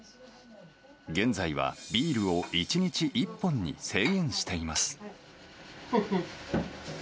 現在はビールを１日１本に制限しています。